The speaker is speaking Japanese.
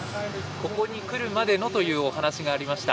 ここにくるまでのというお話がありました。